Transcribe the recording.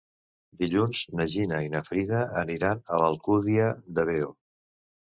Dilluns na Gina i na Frida aniran a l'Alcúdia de Veo.